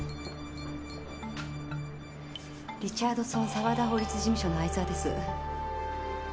リチャードソン澤田法律事務所の相澤です。